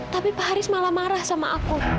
tapi pak haris malah marah sama aku